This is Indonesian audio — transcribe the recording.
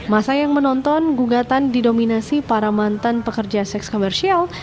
masa yang menonton gugatan didominasi para mantan pekerja seks komersial